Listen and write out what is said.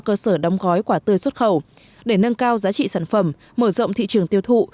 cơ sở đóng gói quả tươi xuất khẩu để nâng cao giá trị sản phẩm mở rộng thị trường tiêu thụ